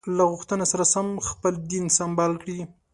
له غوښتنو سره سم خپل دین سمبال کړي.